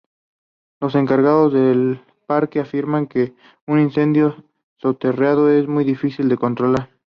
Los encargados del parque afirman que un incendio soterrado es muy difícil de controlar.